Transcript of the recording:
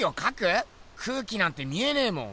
空気なんて見えねぇもん。